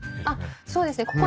あっそうですね。